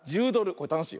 これたのしい。